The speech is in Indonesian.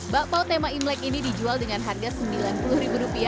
bakpao tema imlek ini dijual dengan harga rp sembilan puluh